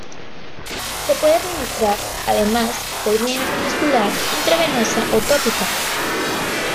Se puede administrar, además, por vía intramuscular, intravenosa o tópica.